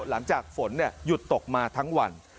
หลังจากฝนหยุดตกมาทั้งวัน